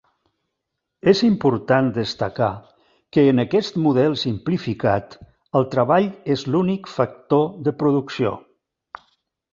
És important destacar que en aquest model simplificat, el treball és l'únic factor de producció.